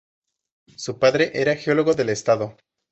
Su padre era geólogo del estado.